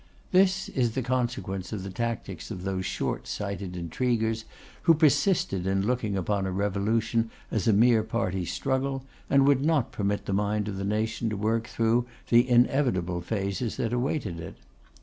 This is the consequence of the tactics of those short sighted intriguers, who persisted in looking upon a revolution as a mere party struggle, and would not permit the mind of the nation to work through the inevitable phases that awaited it.